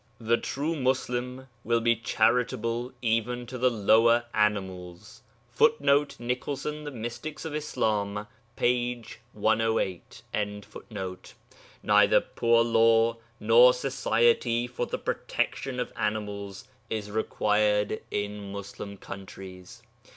The true Muslim will be charitable even to the lower animals. [Footnote: Nicholson, The Mystics of Islam, p. 108.] Neither poor law nor Society for the Protection of Animals is required in Muslim countries.